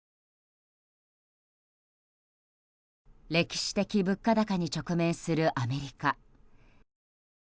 歴史的物価高に直面するアメリカ。